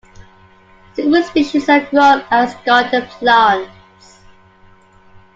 Several species are grown as garden plants.